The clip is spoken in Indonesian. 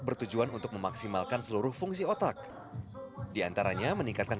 bagaimana senam otak dilakukan